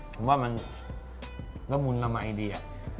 ผมว่ามันละมุนละมัยดี